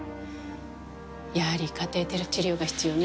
やはりカテーテル治療が必要ね。